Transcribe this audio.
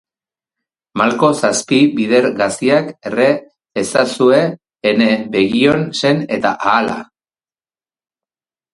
Malko zazpi bider gaziak, erre ezazue ene begion sen eta ahala!